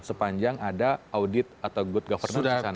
sepanjang ada audit atau good governance di sana